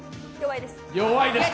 弱いです。